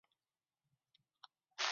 吴天垣。